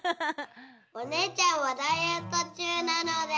おねえちゃんはダイエットちゅうなので。